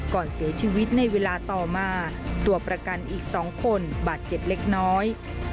ก่อนเสียชีวิตในเวลาต่อมาตัวประกันอีก๒คนบาดเจ็บเล็กน้อย